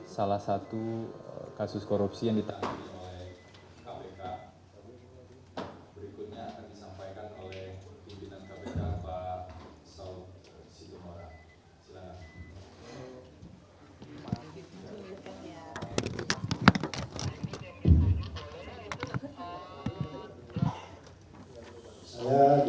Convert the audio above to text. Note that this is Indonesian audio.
salah satu kasus korupsi yang ditangani oleh kpk